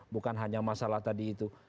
bukan hanya masalah tadi itu